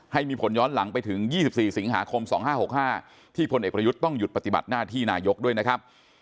ให้มีผลย้อนหลังไปถึง๒๔สิงหาคม๒๕๖๕ที่พลเอกประยุทธ์ต้องหยุดปฏิบัติหน้าที่นายกด้วยนะครับ